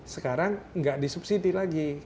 sekarang nggak disubsidi lagi